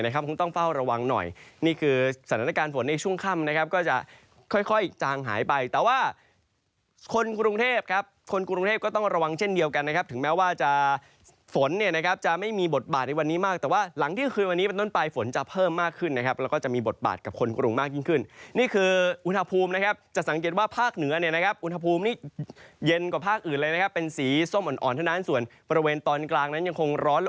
ก็จะฝนเนี่ยนะครับจะไม่มีบทบาทในวันนี้มากแต่ว่าหลังที่คืนวันนี้เป็นต้นปลายฝนจะเพิ่มมากขึ้นนะครับแล้วก็จะมีบทบาทกับคนกรุงมากยิ่งขึ้นนี่คืออุณหภูมินะครับจะสังเกตว่าภาคเหนือเนี่ยนะครับอุณหภูมิเย็นกว่าภาคอื่นเลยนะครับเป็นสีส้มอ่อนเท่านั้นส่วนบริเวณตอนกลางนั้นยังคง